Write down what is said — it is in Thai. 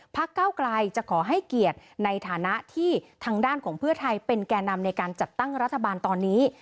เก้าไกลจะขอให้เกียรติในฐานะที่ทางด้านของเพื่อไทยเป็นแก่นำในการจัดตั้งรัฐบาลตอนนี้